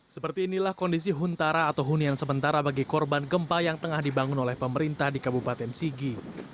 seperti inilah kondisi huntara atau hunian sementara bagi korban gempa yang tengah dibangun oleh pemerintah di kabupaten sigi